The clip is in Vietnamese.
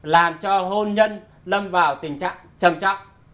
làm cho hôn nhân lâm vào tình trạng trầm trọng